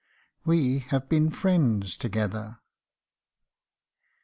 215 WE HAVE BEEN FRIENDS TOGETHER.